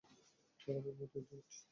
তারা আমার মতো ইডিয়েট।